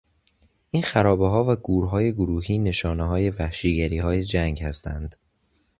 این خرابهها و گورهای گروهی نشانههای وحشیگریهای جنگ هستند.